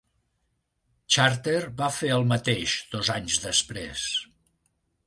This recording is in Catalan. Charter va fer el mateix dos anys després.